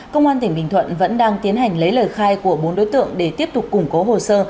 công an tỉnh bình thuận vẫn đang tiến hành lấy lời khai của bốn đối tượng để tiếp tục củng cố hồ sơ